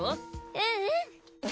うんうん。